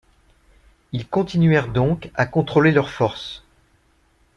Ils continuèrent donc à contrôler leurs forces.